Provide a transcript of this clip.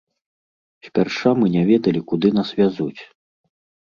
Спярша мы не ведалі куды нас вязуць.